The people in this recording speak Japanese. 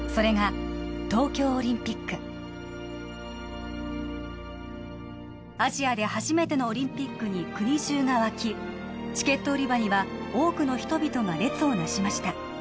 それがアジアで初めてのオリンピックに国じゅうが沸きチケット売り場には多くの人々が列をなしました